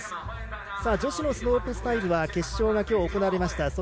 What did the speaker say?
女子のスロープスタイルは決勝が今日行われました。